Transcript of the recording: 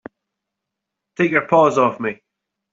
Take your paws off me!